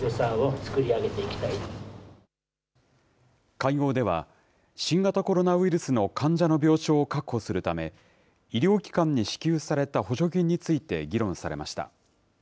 会合では、新型コロナウイルスの患者の病床を確保するため、医療機関に支給された補助金について議論されました。